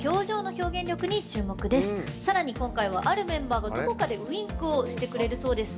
さらに今回は、あるメンバーがどこかでウインクをしてくれるそうです。